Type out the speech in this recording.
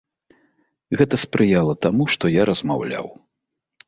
Гэта спрыяла таму, што я размаўляў.